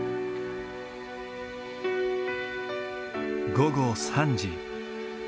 午後３時。